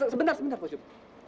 sebentar sebentar pak ucup